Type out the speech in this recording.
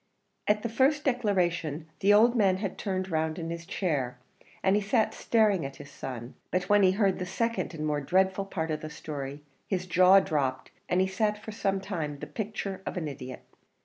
At the first declaration the old man had turned round in his chair, and he sat staring at his son; but when he heard the second and more dreadful part of the story, his jaw dropped, and he sat for some time the picture of an idiot.